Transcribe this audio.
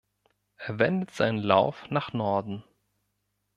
Er wendet seinen Lauf nach Norden.